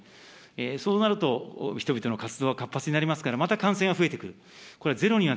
そうなると人々の活動は活発になりますから、また感染が増えてくる。